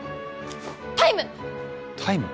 タイム！